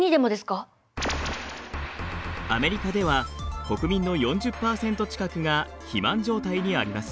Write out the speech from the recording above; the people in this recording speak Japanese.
アメリカでは国民の４０％近くが肥満状態にあります。